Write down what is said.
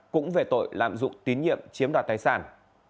cũng về tội lạm dụng tín nhiệm chiếm đoạt tài sản